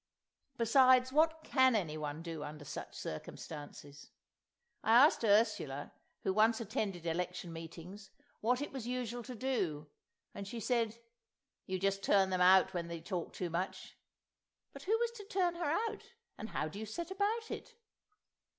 Besides what can anyone do under such circumstances? I asked Ursula, who once attended election meetings, what it was usual to do, and she said, "You just turn them out when they talk too much." But who was to turn her out? And how do you set about it?